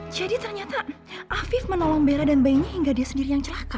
jadi ternyata afif menolong bella dan bayinya hingga dia sendiri yang celaka